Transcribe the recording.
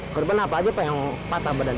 korban apa aja yang patah berada di sana